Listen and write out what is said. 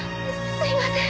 すみません！